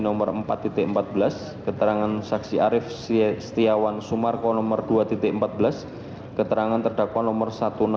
nomor empat empat belas keterangan saksi arief setiawan sumarko nomor dua empat belas keterangan terdakwa nomor satu ratus enam puluh